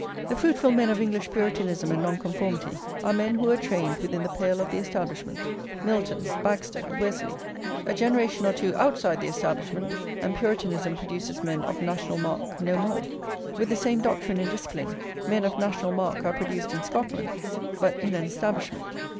The fruitful men of English Puritanism and Nonconformity are men who were trained within the pale of the Establishment, Milton, Baxter, Wesley. A generation or two outside the Establishment, and Puritanism produces men of national mark no more. With the same doctrine and discipline, men of national mark are produced in Scotland; but in an Establishment.